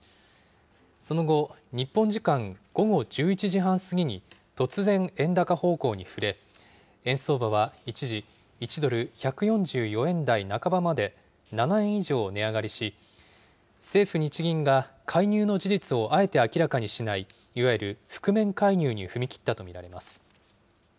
その後、日本時間午後１１時半過ぎに、突然、円高方向に振れ、円相場は一時、１ドル１４４円台半ばまで７円以上値上がりし、政府・日銀が介入の事実をあえて明らかにしないいわゆる覆面介入に踏み切ったと見られます。